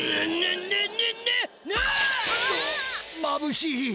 まぶしい！